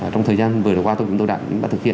trong thời gian vừa qua tôi chúng tôi đã thực hiện